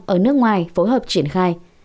ở nước ngoài phối hợp triển khai